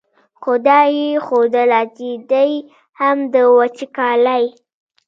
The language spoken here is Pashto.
خو دا یې ښودله چې دی هم د وچکالۍ.